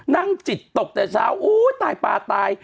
นั่งจิตตกแต่เช้าอู้ตายปลาตาย